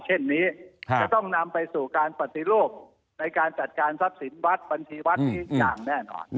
เช่นนี้จะต้องนำไปสู่การปฏิรูปในการจัดการทรัพย์สินวัดบัญชีวัดนี้อย่างแน่นอน